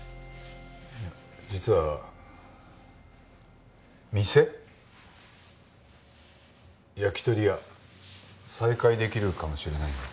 実は店焼き鳥屋再開できるかもしれないんだ。